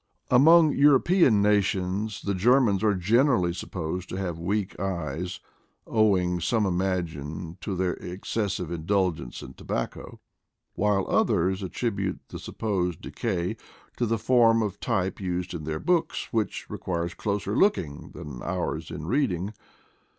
Among Euro pean nations the Germans are generally supposed to have weak eyes, owing, some imagine, to their excessive indulgence in tobacco; while others at tribute the supposed decay to the form of type used in their books, which requires closer looking 174 IDLE DAYS IN PATAGONIA at than ours in reading.